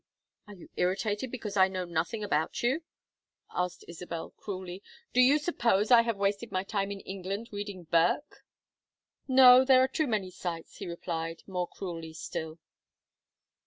"Are you irritated because I know nothing about you?" asked Isabel, cruelly. "Do you suppose I have wasted my time in England reading Burke?" "No, there are too many sights," he replied, more cruelly still.